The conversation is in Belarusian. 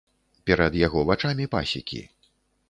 Перад яго вачамі пасекі.